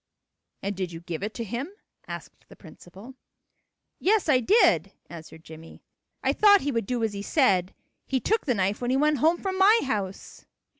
"And did you give it to him?" asked the principal. "Yes, I did," answered Jimmie. "I thought he would do as he said. He took the knife when he went home from my house."